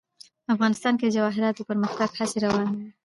افغانستان کې د جواهرات د پرمختګ هڅې روانې دي.